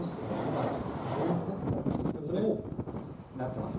今すごくもうプルプルなってます。